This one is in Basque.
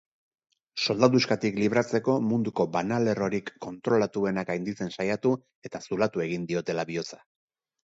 Soldaduskatik libratzeko, munduko banalerrorik kontrolatuena gainditzen saiatu eta zulatu egin diotela bihotza.